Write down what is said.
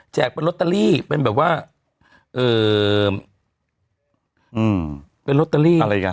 แจกเป็นล็อตเตอรี่เป็นแบบว่าเอ่ออืมเป็นล็อตเตอรี่อะไรอีกอ่ะ